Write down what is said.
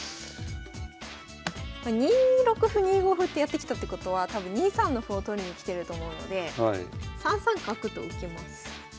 ２六歩２五歩ってやってきたってことは多分２三の歩を取りに来てると思うので３三角と受けます。